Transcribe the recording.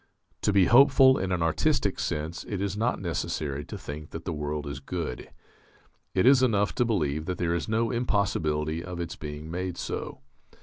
To be hopeful in an artistic sense it is not necessary to think that the world is good. It is enough to believe that there is no impossibility of its being made so....